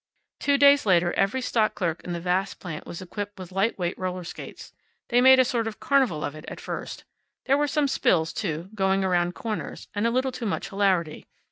Two days later every stock clerk in the vast plant was equipped with light weight roller skates. They made a sort of carnival of it at first. There were some spills, too, going around corners, and a little too much hilarity.